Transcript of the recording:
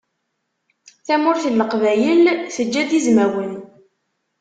Tamurt n leqbayel teǧǧa-d izmawen.